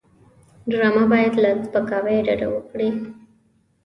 ډرامه باید له سپکاوي ډډه وکړي